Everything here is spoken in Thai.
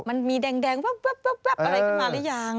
มันมีแดงวับอะไรขึ้นมาหรือยัง